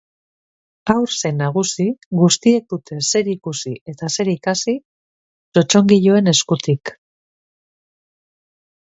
Haur zein nagusi, guztiek dute zer ikusi eta zer ikasi txotxongiloen eskutik.